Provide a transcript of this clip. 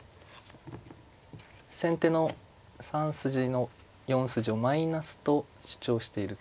先手の３筋の４筋をマイナスと主張していると。